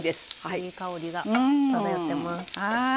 いい香りが漂ってます。